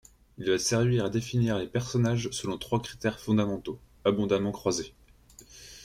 Il va servir à définir les personnages selon trois critères fondamentaux, abondamment croisés.